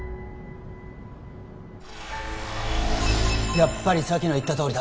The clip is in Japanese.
やっぱり沙姫の言ったとおりだ